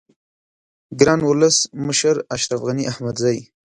گران ولس مشر اشرف غنی احمدزی